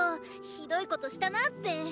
ひどいことしたなって！